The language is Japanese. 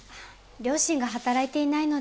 両親が働いていないので。